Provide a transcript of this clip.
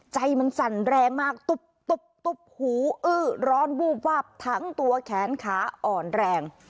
ใจมันสั่นแรงมากตุ๊บหูอื้อร้อนวูบวาบทั้งตัวแขนขาอ่อนแรง